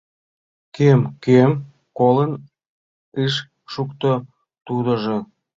— Кӧм, кӧм? — колын ыш шукто тудыжо.